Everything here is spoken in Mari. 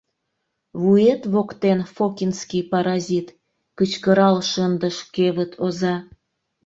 — Вует воктен «Фокинский», паразит! — кычкырал шындыш кевыт оза.